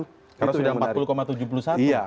karena sudah empat puluh tujuh puluh satu